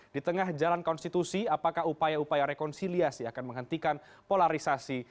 di tengah jalan konstitusi apakah upaya upaya rekonsiliasi akan menghentikan polarisasi